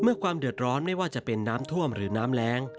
ความเดือดร้อนไม่ว่าจะเป็นน้ำท่วมหรือน้ำแรง